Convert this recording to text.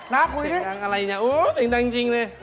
น้าคุยดิเสียงดังอะไรเนี่ยอุ๊ยเสียงดังจริงเลย